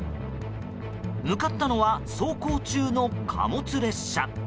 向かったのは走行中の貨物列車。